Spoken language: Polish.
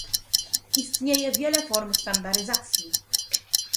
Istnieje wiele form standaryzacji